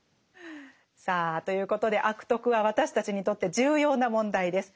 さあということで「悪徳」は私たちにとって重要な問題です。